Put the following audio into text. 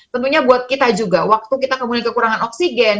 tentunya buat kita juga waktu kita kemudian kekurangan oksigen